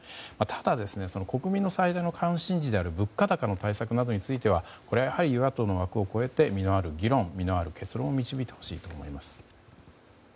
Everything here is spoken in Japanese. ただ、国民の最大の関心事である物価高などへの対策についてはやはり、与野党の枠を超えて実のある議論実のある結論を導いてほしいと思います。